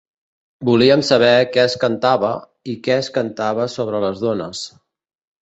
Volíem saber què es cantava, i què es cantava sobre les dones.